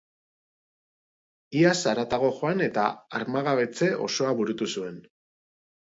Iaz haratago joan eta armagabetze osoa burutu zuen.